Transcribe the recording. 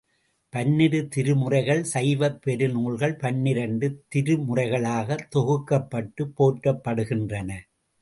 பன்னிரு திருமுறைகள் சைவப் பெரு நூல்கள் பன்னிரண்டு திருமுறைகளாகத் தொகுக்கப்பட்டுப் போற்றப்படுகின்றன.